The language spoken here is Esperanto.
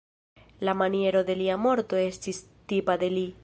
La maniero de lia morto estis tipa de li.